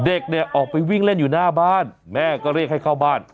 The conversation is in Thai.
เด็กเนี่ยออกไปวิ่งเล่นอยู่หน้าบ้านแม่ก็เรียกให้เข้าบ้าน